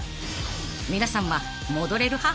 ［皆さんは戻れる派？